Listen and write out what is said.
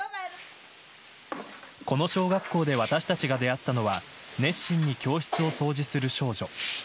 この小学校で私たちが出会ったのは熱心に教室を掃除する少女。